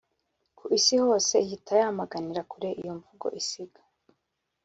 ku isi hose ihita yamaganira kure iyo mvugo isiga